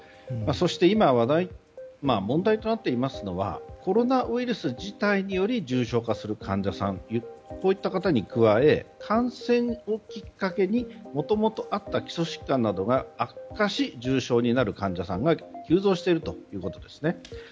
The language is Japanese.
そして今問題となっていますのはコロナウイルス自体により重症化する患者さんといった方に加え感染をきっかけにもともとあった基礎疾患などが悪化し、重症になる患者さんが急増しているということです。